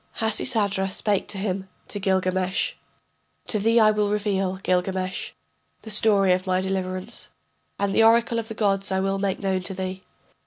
] Hasisadra spake to him, to Gilgamesh: To thee I will reveal, Gilgamesh, the story of my deliverance, And the oracle of the gods I will make known to thee.